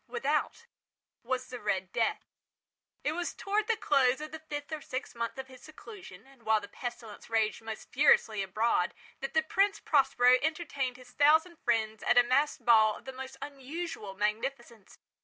Without was the "Red Death". It was towards the close of the fifth or sixth month of his seclusion, and while the pestilence raged most furiously abroad, that the Prince Prospero entertained his thousand friends at a masked ball of the most unusual magnificence.